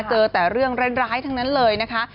เจอแต่เรื่องร้ายทั้งนั้นเลยนะคะ